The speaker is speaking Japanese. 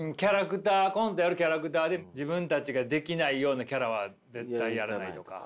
コントやるキャラクターで自分たちができないようなキャラは絶対やらないとか。